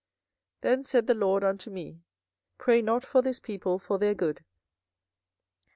24:014:011 Then said the LORD unto me, Pray not for this people for their good.